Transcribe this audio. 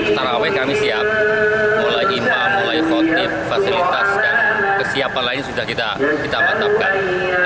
mulai imam mulai kotip fasilitas dan kesiapan lain sudah kita mantapkan